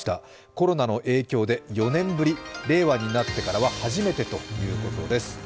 コロナの影響で４年ぶり、令和になってからは初めてということです。